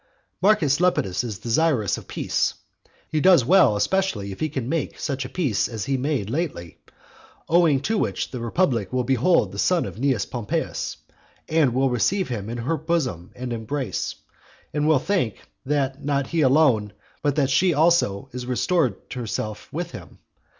Marcus Lepidus is desirous of peace. He does well especially if he can make such a peace as he made lately, owing to which the republic will behold the son of Cnaeus Pompeius, and will receive him in her bosom and embrace; and will think, that not he alone, but that she also is restored to herself with him.